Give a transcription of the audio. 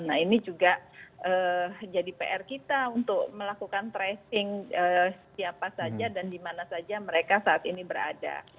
nah ini juga jadi pr kita untuk melakukan tracing siapa saja dan dimana saja mereka saat ini berada